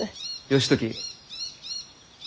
義時。